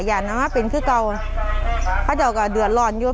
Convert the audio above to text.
อย่าน้ำมันเป็นคือเก่าข้าเจ้าก็เดือดร้อนอยู่